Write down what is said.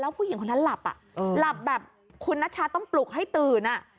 แล้วผู้หญิงคนนั้นหลับหลับแบบคุณนัชชาต้องปลุกให้ตื่น